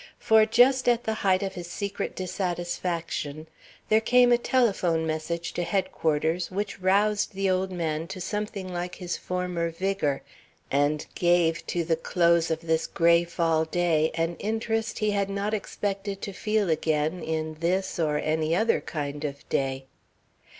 For just at the height of his secret dissatisfaction there came a telephone message to Headquarters which roused the old man to something like his former vigor and gave to the close of this gray fall day an interest he had not expected to feel again in this or any other kind of day.